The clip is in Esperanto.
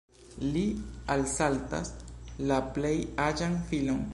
Li alsaltas la plej aĝan filon.